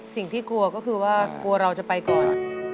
สิ่งที่กลัวก็คือว่ากลัวเราจะไปก่อน